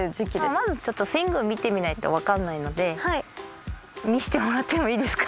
まずちょっとスイング見てみないとわかんないので見せてもらってもいいですか？